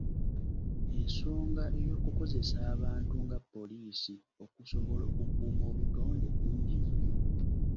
Ensonga ey’okukozesa abantu nga poliisi okusobola okukuuma obutonde nnungi nnyo.